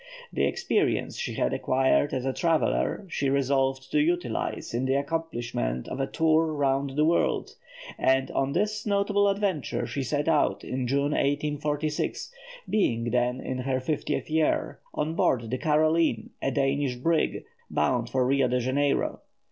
The experience she had acquired as a traveller she resolved to utilize in the accomplishment of a tour round the world, and on this notable adventure she set out in June, 1846, being then in her fiftieth year, on board the Caroline, a Danish brig, bound for Rio Janeiro.